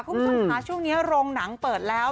คุณผู้ชมคะช่วงนี้โรงหนังเปิดแล้ว